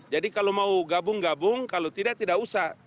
jadi kalau mau gabung gabung kalau tidak tidak usah